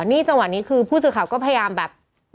นี่จังหวะนี้คือผู้สื่อข่าวก็พยายามแบบ